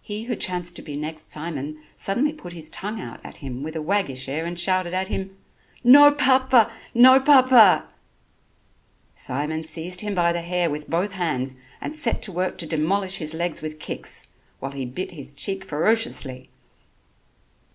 He who chanced to be next Simon suddenly put his tongue out at him with a waggish air and shouted at him: "No papa! No papa!" Simon seized him by the hair with both hands and set to work to demolish his legs with kicks, while he bit his cheek ferociously.